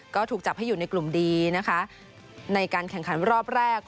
ก็ถูกจับให้อยู่ในกลุ่มดีนะคะในการแข่งขันรอบแรก